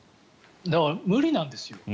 だから、無理なんですよ